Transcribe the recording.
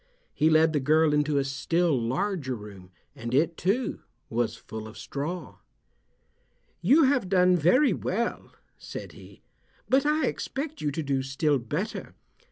He led the girl into a still larger room, and it, too, was full of straw. "You have done very well," said he, "but I expect you to do still better.